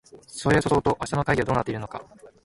それそそうと明日の会議はどうなっているのか